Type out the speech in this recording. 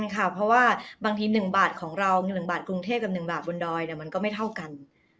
เพราะว่าบางที๑บาทของเรา๑บาทกรุงเทพกับ๑บาทบนดอยมันก็ไม่เท่ากัน